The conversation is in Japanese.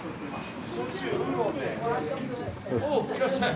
おいらっしゃい。